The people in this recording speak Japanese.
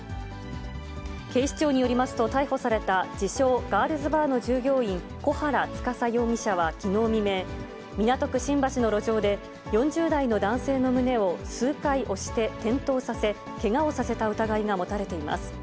警視庁によりますと、逮捕された自称ガールズバーの従業員、小原司容疑者はきのう未明、港区新橋の路上で、４０代の男性の胸を数回押して転倒させ、けがをさせた疑いが持たれています。